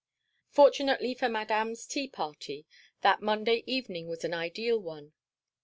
Fortunately for Madame's tea party, that Monday evening was an ideal one.